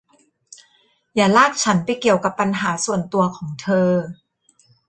อย่าลากฉันไปเกี่ยวกับปัญหาส่วนตัวของเธอ